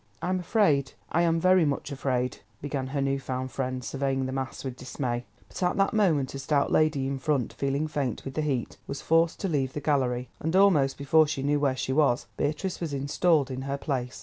"I'm afraid—I am very much afraid——" began her new found friend, surveying the mass with dismay. But at that moment, a stout lady in front feeling faint with the heat, was forced to leave the Gallery, and almost before she knew where she was, Beatrice was installed in her place.